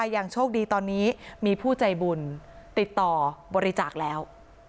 ยังโชคดีตอนนี้มีผู้ใจบุญติดต่อบริจาคแล้ว